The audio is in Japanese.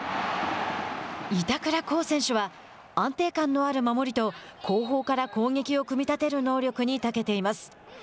板倉滉選手は安定感のある守りと後方から攻撃を組み立てる能力にたけています。